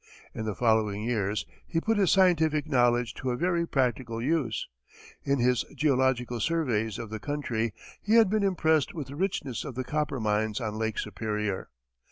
In the following years he put his scientific knowledge to a very practical use. In his geological surveys of the country, he had been impressed with the richness of the copper mines on Lake Superior.